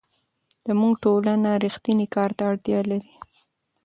زموږ ټولنه رښتیني کار ته اړتیا لري.